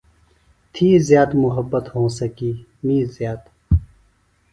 تھی زِیات محبت ہونسہ کی می زیات۔